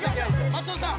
松尾さん！